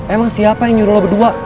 emang siapa yang nyuruh berdua